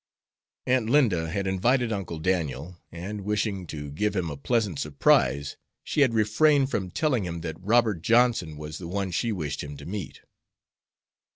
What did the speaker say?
Aunt Linda had invited Uncle Daniel, and, wishing to give him a pleasant surprise, she had refrained from telling him that Robert Johnson was the one she wished him to meet.